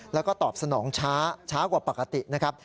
แล้วก็ตอบสนองช้ากว่าปกตินะครับ